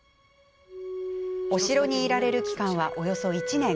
お城にいられる期間はおよそ１年。